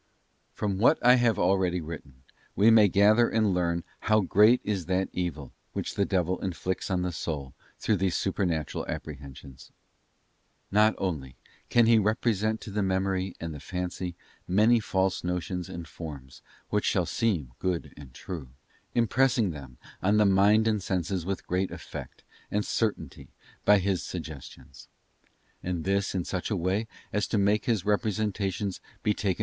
From what I have already written, we may gather andlearn how great is that evil which the devil inflicts on the soul through these Supernatural Apprehensions. Not only can he represent to the memory and the fancy many false notions and forms which shall seem good and true, impressing them on the mind and senses with great effect and certainty by his sug gestions—and this in such a way as to make his repre sentations be taken.